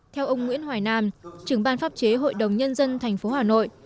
theo ông nguyễn hoài nam trưởng ban pháp chế hội đồng nhân dân tp hà nội